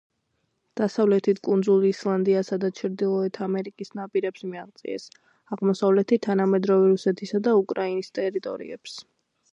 დასავლეთით კუნძულ ისლანდიასა და ჩრდილოეთ ამერიკის ნაპირებს მიაღწიეს, აღმოსავლეთით თანამედროვე რუსეთისა და უკრაინის ტერიტორიებს.